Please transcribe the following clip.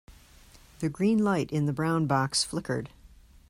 The green light in the brown box flickered.